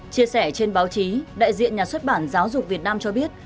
chia sẻ trên báo chí đại diện nhà xuất bản giáo dục việt nam cho biết